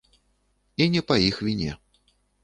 І не па іх віне.